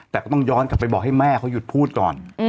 แต่ก็ต้องย้อนกลับไปบอกให้แม่เขาหยุดพูดก่อน